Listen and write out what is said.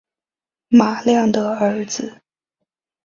马亮的儿子